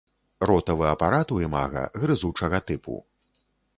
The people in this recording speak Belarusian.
Ротавы апарат у імага грызучага тыпу.